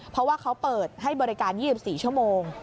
เพราะว่าเขาเปิดให้บริการ๒๔ชั่วโมง